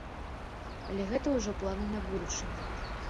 Але гэта ўжо планы на будучыню.